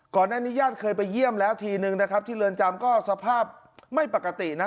ก่อนหน้านี้ญาติเคยไปเยี่ยมแล้วทีนึงนะครับที่เรือนจำก็สภาพไม่ปกตินะ